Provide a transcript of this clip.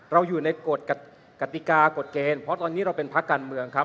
เราอยู่ในกฎกติกากฎเกณฑ์เพราะตอนนี้เราเป็นภาคการเมืองครับ